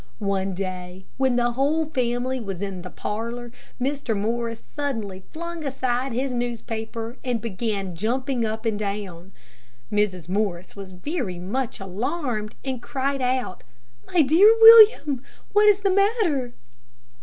One day, when the whole family was in the parlor, Mr. Morris suddenly flung aside his newspaper, and began jumping up and down. Mrs. Morris was very much alarmed, and cried out, "My dear William, what is the matter?"